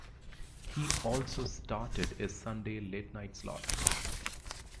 He also started a Sunday late night slot.